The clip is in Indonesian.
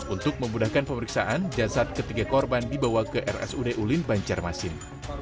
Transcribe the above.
untuk memudahkan pemeriksaan jasad ketiga korban dibawa ke rsud ulin banjarmasin